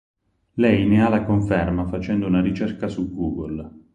Lei ne ha la conferma facendo una ricerca su Google.